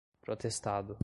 protestado